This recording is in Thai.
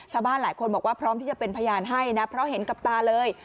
ชาวบ้านหลายคนบอกว่าพร้อมที่จะเป็นพยานให้นะเพราะเห็นกับตาเลย